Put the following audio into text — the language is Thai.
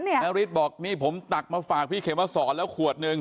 นาริสบอกนี่ผมตักมาฝากพี่เขมสอนแล้วขวดหนึ่ง